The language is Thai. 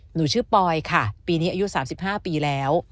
หนูชื่อปอยค่ะปีนี้อายุสามสิบห้าปีแล้ว